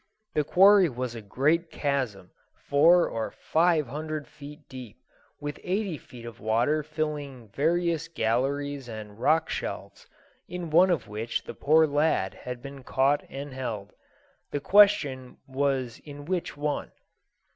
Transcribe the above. The quarry was a great chasm four or five hundred feet deep, with eighty feet of water filling various galleries and rock shelves, in one of which the poor lad had been caught and held. The question was in which one.